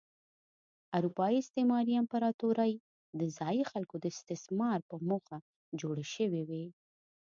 اروپايي استعماري امپراتورۍ د ځايي خلکو د استثمار په موخه جوړې شوې وې.